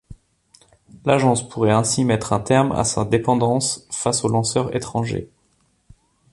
L'agence pourrait ainsi mettre un terme à sa dépendance face aux lanceurs étranger.